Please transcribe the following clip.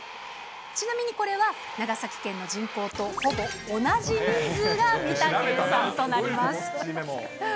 ちなみにこれは長崎県の人口とほぼ同じ人数が見た計算となります。